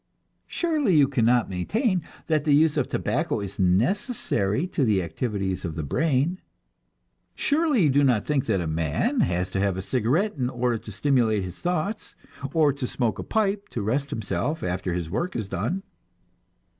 Surely you cannot maintain that the use of tobacco is necessary to the activities of the brain! Surely you do not think that a man has to have a cigarette in order to stimulate his thoughts, or to smoke a pipe to rest himself after his work is done!